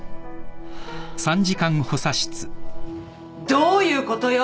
どういうことよ！？